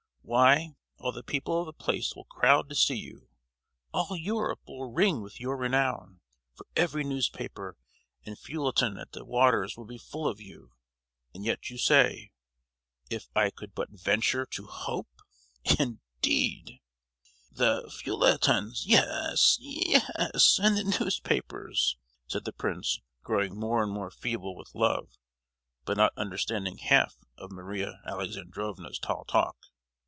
Why, all the people of the place will crowd to see you! All Europe will ring with your renown, for every newspaper and feuilleton at the Waters will be full of you. And yet you say, 'If I could but venture to hope,' indeed!" "The feuilletons! yes—ye—yes, and the newspapers," said the prince, growing more and more feeble with love, but not understanding half of Maria Alexandrovna's tall talk.